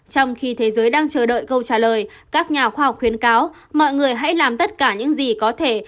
trong khi thế giới đang chờ đợi câu trả lời các nhà khoa học khuyến cáo mọi người hãy làm tất cả những gì có thể